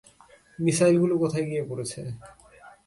মিসাইলগুলো কোথায় গিয়ে পড়েছে?